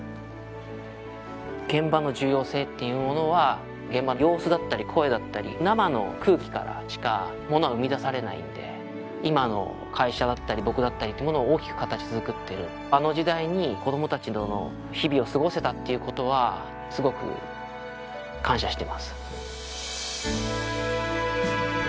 現場の重要性っていうものは現場の様子だったり声だったり生の空気からしかものは生み出されないんで今の会社だったり僕だったりってものを大きく形作ってるあの時代に子供達との日々を過ごせたっていうことはすごく感謝してます